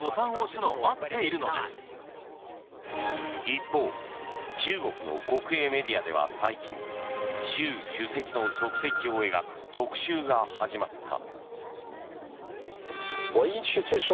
一方中国の国営メディアでは最近習主席の足跡を描く特集が始まった。